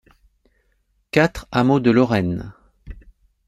quatre hameau de Lorraine